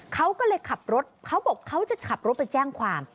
เขาก็เลยขับรถเขาบอกเขาจะขับรถไปแจ้งความ